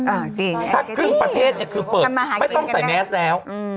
จริงถ้าครึ่งประเทศเนี่ยคือเปิดมาไม่ต้องใส่แมสแล้วอืม